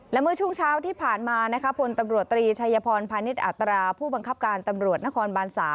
และเมื่อช่วงเช้าที่ผ่านมาพลตำรวจตรีชัยพรพาณิชย์อัตราผู้บังคับการตำรวจนครบาน๓